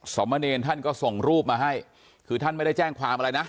สมเนรท่านก็ส่งรูปมาให้คือท่านไม่ได้แจ้งความอะไรนะ